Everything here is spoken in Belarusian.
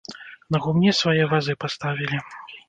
На гумне свае вазы паставілі.